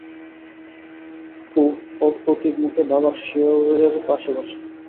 অপু অপ্রতিভ মুখে বাবার শিয়রের পাশে বসে।